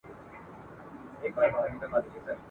د پوهي وده د ټولنیزي هوسایني لامل کېږي.